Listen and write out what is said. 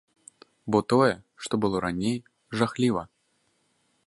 Бо тое, што было раней, жахліва.